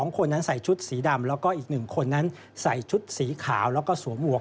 คนนั้นใส่ชุดสีดำแล้วก็อีก๑คนนั้นใส่ชุดสีขาวแล้วก็สวมหวก